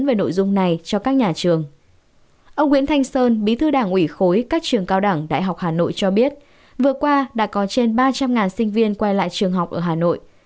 ông nguyễn thanh sơn bí thư đảng ủy khối các trường cao đẳng đại học hà nội cho biết vừa qua đã có trên ba trăm linh sinh viên quay lại trường học ở hà nội